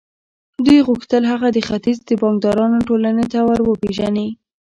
دوی غوښتل هغه د ختیځ د بانکدارانو ټولنې ته ور وپېژني